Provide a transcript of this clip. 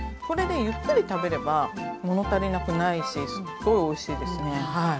これでゆっくり食べれば物足りなくないしすっごいおいしいですね。